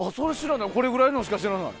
これぐらいのやつしか知らない。